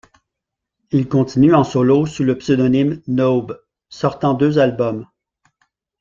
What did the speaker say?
Il continue en solo sous le pseudonyme NoB, sortant deux albums.